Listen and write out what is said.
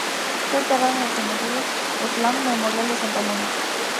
Fue enterrado en el Cementerio Woodlawn Memorial de Santa Mónica.